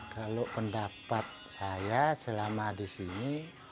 kalau pendapat saya selama di sini